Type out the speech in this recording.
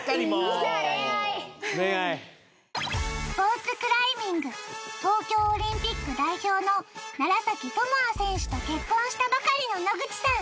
スポーツクライミング東京オリンピック代表の楢智亜選手と結婚したばかりの野口さん